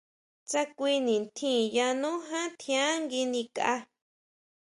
Tsá kui nitjín yanú jan tjián nguinikʼa.